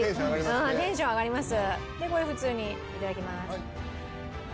テンション上がります。